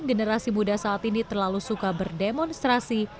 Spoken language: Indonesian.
generasi muda saat ini terlalu suka berdemonstrasi